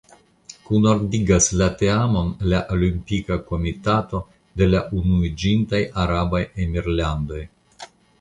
Kunordigas la teamon la Olimpika Komitato de la Unuiĝintaj Arabaj Emirlandoj.